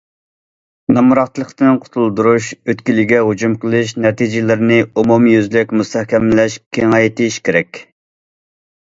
نامراتلىقتىن قۇتۇلدۇرۇش ئۆتكىلىگە ھۇجۇم قىلىش نەتىجىلىرىنى ئومۇميۈزلۈك مۇستەھكەملەش، كېڭەيتىش كېرەك.